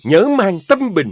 nhớ mang tâm bình